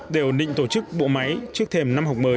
đều định tổ chức bộ máy trước thềm năm học mới